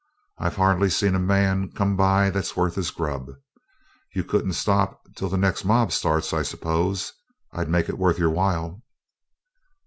I've hardly seen a man come by that's worth his grub. You couldn't stop till the next mob starts, I suppose? I'd make it worth your while.'